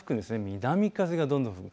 南風がどんどん吹く。